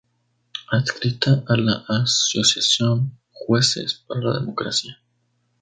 Adscrita a la asociación Jueces para la Democracia.